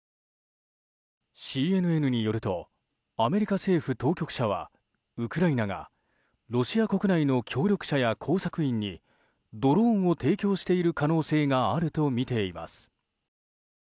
ＣＮＮによるとアメリカ政府当局者はウクライナがロシア国内の協力者や工作員にドローンを提供している可能性があるとみています。